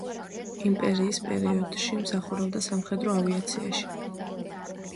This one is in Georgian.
იმპერიის პერიოდში მსახურობდა სამხედრო ავიაციაში.